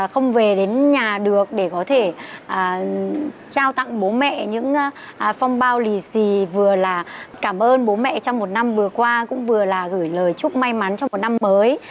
không về đến nhà được để có thể trao tặng bố mẹ những phong bao lì xì vừa là cảm ơn bố mẹ trong một năm vừa qua cũng vừa là gửi lời chúc may mắn trong một năm mới